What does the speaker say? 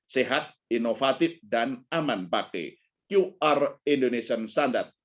sehat inovatif dan aman pakai qr indonesian standard